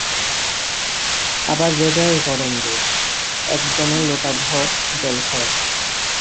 আবার বেজায় গরম দেশ, এক দমে লোটা-ভর জল খাওয়া চাই।